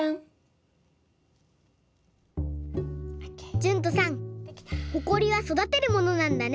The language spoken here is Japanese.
じゅんとさんほこりはそだてるものなんだね。